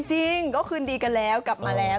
จริงก็คืนดีกันแล้วกลับมาแล้ว